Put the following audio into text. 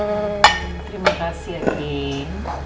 terimakasih ya ging